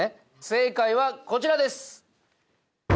正解はこちらです。